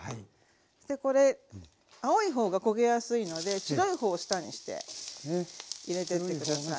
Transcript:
これ青い方が焦げやすいので白い方を下にして入れてって下さい。